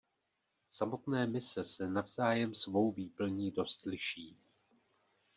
Samotné mise se navzájem svou výplní dost liší.